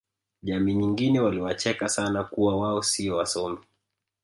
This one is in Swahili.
jamii nyingine waliwacheka sana kuwa wao sio wasomi